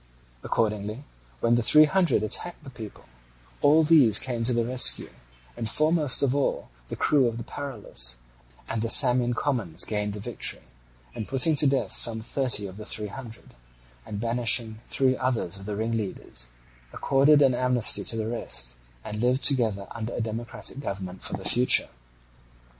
Accordingly, when the Three Hundred attacked the people, all these came to the rescue, and foremost of all the crew of the Paralus; and the Samian commons gained the victory, and putting to death some thirty of the Three Hundred, and banishing three others of the ringleaders, accorded an amnesty to the rest, and lived together under a democratic government for the future.